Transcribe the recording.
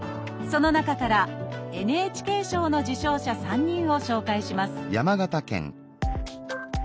その中からＮＨＫ賞の受賞者３人を紹介します